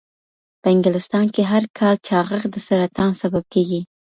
په انګلستان کې هر کال چاغښت د سرطان سبب کېږي.